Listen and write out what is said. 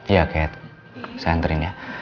iya cat saya enterin ya